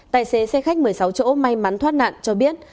tài xế xe khách một mươi sáu chỗ may mắn thoát nạn cho biết